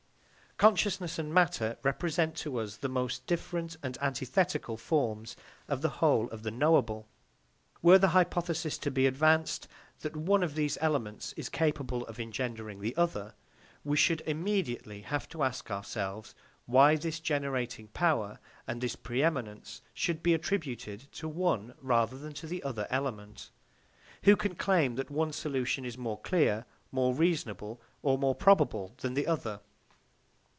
Consciousness and matter represent to us the most different and antithetical terms of the whole of the knowable. Were the hypothesis to be advanced that one of these elements is capable of engendering the other, we should immediately have to ask ourselves why this generating power and this pre eminence should be attributed to one rather than to the other element. Who can claim that one solution is more clear, more reasonable, or more probable than the other?